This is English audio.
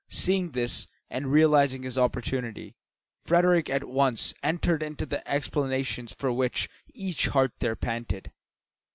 Seeing this, and realising his opportunity, Frederick at once entered into the explanations for which each heart there panted.